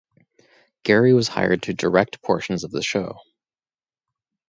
Gary was hired to direct portions of the show.